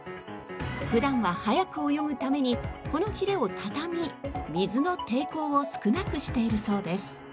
普段は速く泳ぐためにこのヒレを畳み水の抵抗を少なくしているそうです。